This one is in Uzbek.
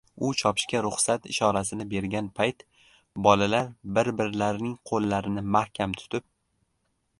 U chopishga ruxsat ishorasini bergan payt bolalar bir-birlarining qoʻllarini mahkam tutib